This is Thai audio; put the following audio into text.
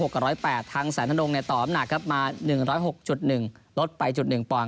๑๐๖กับ๑๐๘ทางแสนทรงต่ออัพหนักครับมา๑๐๖๑ลดไป๑ปอน